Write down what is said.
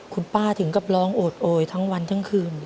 คุณป้าถึงกับร้องโอดโอยทั้งวันทั้งคืน